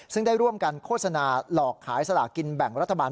ซึ่งได้ร่วมกันโฆษณาหลอกขายสลากินแบ่งรัฐบาล